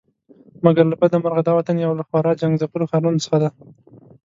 مګر له بده مرغه دا وطن یو له خورا جنګ ځپلو ښارونو څخه دی.